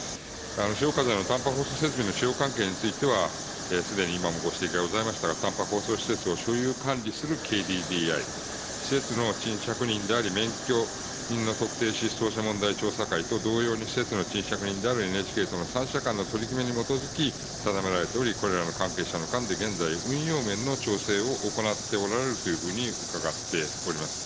しおかぜの短波放送設備の使用関係については、すでに今もご指摘がございましたが、短波放送施設を所有、管理するＫＤＤＩ、施設の賃借人であり、免許人の特定失踪者問題調査会と同様に施設の賃借人であるＮＨＫとの３者間の取り組みに基づき、定められており、これらの関係者の間で、現在運用面の調整を行っておられるというふうに伺っております。